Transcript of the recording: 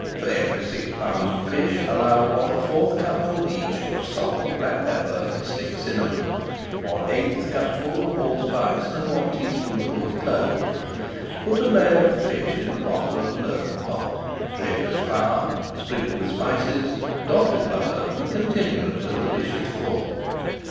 For every six pounds of fish allow one fourth cupful each of salt, black pepper, and stick cinnamon, one eighth cupful of allspice and one teaspoonful of clove. Put a layer of the fish in the bottom of an earthen pot, [Page 478] dredge with flour, sprinkle with spices, dot with butter, and continue until the dish is full.